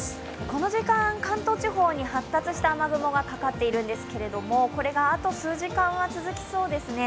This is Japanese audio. この時間、関東地方に発達した雨雲がかかっているんですけどこれがあと数時間は続きそうですね。